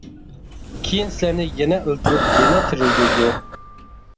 كېيىن سىلەرنى يەنە ئۆلتۈرۈپ يەنە تىرىلدۈرىدۇ.